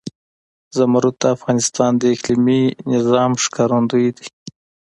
زمرد د افغانستان د اقلیمي نظام ښکارندوی ده.